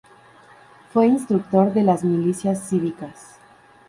Fue instructor de las milicias cívicas.